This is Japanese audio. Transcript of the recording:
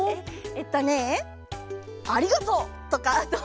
えっえっとね「ありがとう！」とかはどう？